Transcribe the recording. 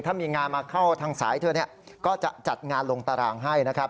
ถ้ามีงานมาเข้าทางสายเธอก็จะจัดงานลงตารางให้นะครับ